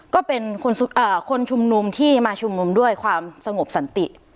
ก็เป็นคนชุมนุมที่มาชุมนุมด้วยความสงบสันติ